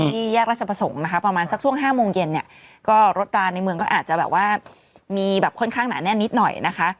ที่แยกราชประสงค์นะคะประมาณสักช่วง๕โมงเย็นเนี่ย